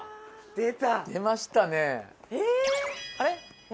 出ましたね。